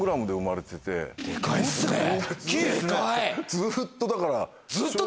ずっとだから。